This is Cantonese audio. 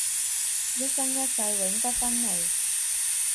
一生一世永不分離